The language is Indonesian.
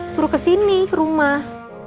suruh kesini rumah